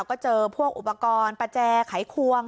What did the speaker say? ก็เจอพวกอุปกรณ์ประแจไขควง